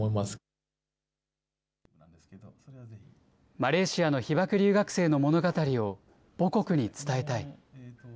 マレーシアの被爆留学生の物語を母国に伝えたい。